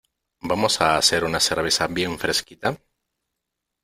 ¿Vamos a hacer una cerveza bien fresquita?